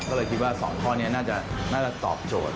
ก็เลยคิดว่า๒ข้อนี้น่าจะตอบโจทย์